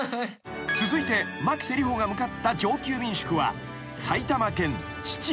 ［続いて牧瀬里穂が向かった上級民宿は］